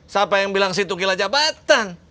siapa yang bilang situ kila jabatan